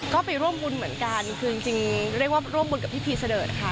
ก็ไปร่วมบุญเหมือนกันคือจริงเรียกว่าร่วมบุญกับพิธีเสดิร์ดค่ะ